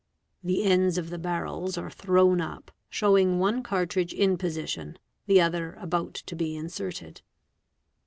The ends of the barrels are thrown up, showing one cartridge ti in position, the other about to be inserted.